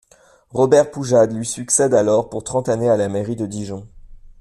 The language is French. Robert Poujade lui succède alors pour trente années à la mairie de Dijon.